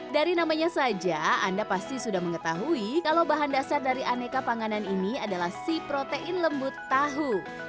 dari namanya saja anda pasti sudah mengetahui kalau bahan dasar dari aneka panganan ini adalah si protein lembut tahu